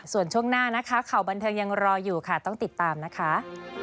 ส่วนช่วงหน้านะคะข่าวบันเทิงยังรออยู่ค่ะต้องติดตามนะคะ